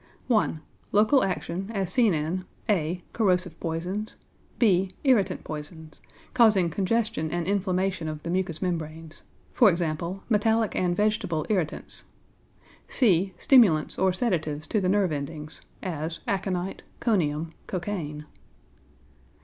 1. Local Action, as seen in (a) corrosive poisons; (b) irritant poisons, causing congestion and inflammation of the mucous membranes e.g., metallic and vegetable irritants; (c) stimulants or sedatives to the nerve endings, as aconite, conium, cocaine.